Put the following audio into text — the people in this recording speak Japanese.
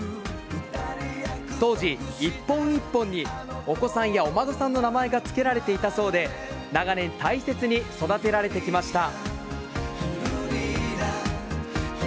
当時、１本１本にお子さんやお孫さんの名前がつけられていたそうで長年、大切に育てられてきました。